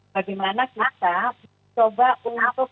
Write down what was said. bagaimana kita coba untuk